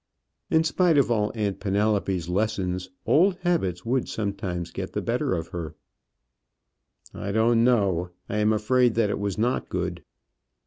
In spite of all Aunt Penelope's lessons, old habits would sometimes get the better of her. "I don't know; I am afraid that it was not good."